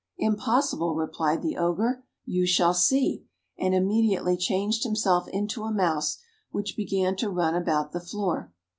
"Impossible!" replied the Ogre; "you shall see!" and immediately changed himself into a mouse, which began to run about the floor.